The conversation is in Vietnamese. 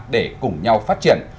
để cùng nhau phát triển